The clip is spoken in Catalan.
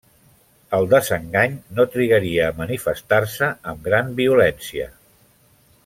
El desengany no trigaria a manifestar-se amb gran violència.